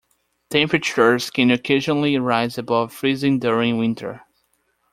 Temperatures can occasionally rise above freezing during winter.